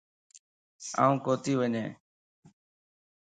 آن ڪوتي وڃين